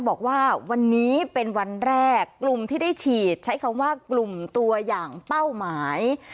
บอกว่าวันนี้เป็นวันแรกกลุ่มที่ได้ฉีดใช้คำว่ากลุ่มตัวอย่างเป้าหมาย